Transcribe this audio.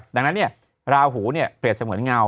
ดังนั้นราหูเนี่ยเปรียบเสมือนเงา